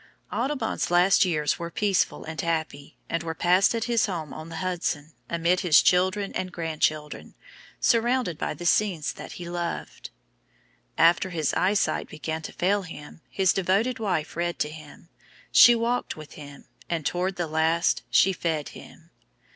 Audubon's last years were peaceful and happy, and were passed at his home on the Hudson, amid his children and grandchildren, surrounded by the scenes that he loved. After his eyesight began to fail him, his devoted wife read to him, she walked with him, and toward the last she fed him.